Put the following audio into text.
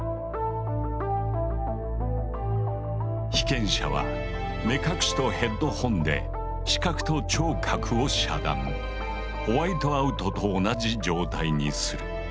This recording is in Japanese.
被験者は目隠しとヘッドホンでホワイトアウトと同じ状態にする。